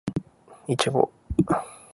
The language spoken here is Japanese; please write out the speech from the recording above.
いちご